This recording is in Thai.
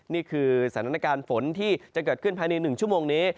นี่คือสถานการณ์ฝนที่จะเกิดขึ้นภายใน๑ชั่วโมงนี้